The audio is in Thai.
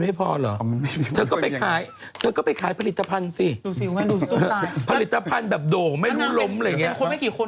ดูไม่เป็นแล้วกูไม่เคย